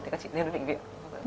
thì các chị nên đến bệnh viện